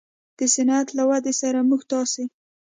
د صنعت له ودې سره موږ تاسې